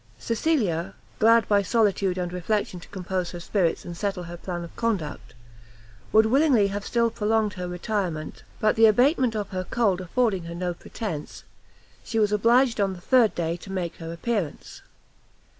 Cecilia, glad by solitude and reflection to compose her spirits and settle her plan of conduct, would willingly have still prolonged her retirement, but the abatement of her cold affording her no pretence, she was obliged on the third day to make her appearance.